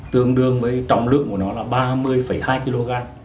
tương đương với trọng lượng của nó là ba mươi hai kg